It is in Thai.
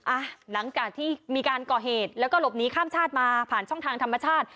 อ่ะหลังจากที่มีการก่อเหตุแล้วก็หลบหนีข้ามชาติมาผ่านช่องทางธรรมชาติ